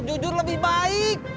jujur lebih baik